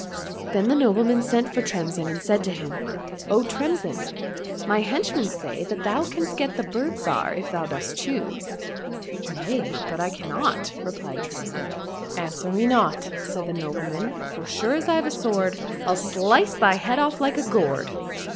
Then the nobleman sent for Tremsin and said to him, " O Tremsin ! my henchmen say that thou canst get the Bird Zhar if thou dost choose." — 96 THE STORY OF TREMSIN " Nay, but I cannot," replied Tremsin. —" Answer me not," said the nobleman, " for so sure as I've a sword, I'll slice thy head off like a gourd."